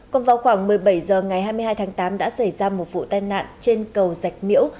còn vào khoảng một mươi bảy h ngày hai mươi hai tháng tám đã xảy ra một vụ tai nạn trên cầu dạch miễu